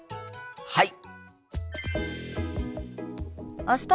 はい！